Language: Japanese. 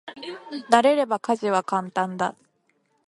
慣れれば家事は簡単だ。